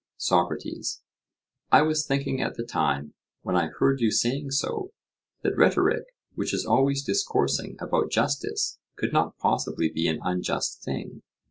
SOCRATES: I was thinking at the time, when I heard you saying so, that rhetoric, which is always discoursing about justice, could not possibly be an unjust thing.